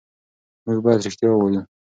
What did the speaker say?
موږ باید رښتیا ووایو.